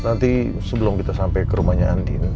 nanti sebelum kita sampai ke rumahnya andin